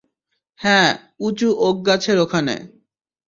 হ্যাঁ, উঁচু ওক গাছের ওখনে।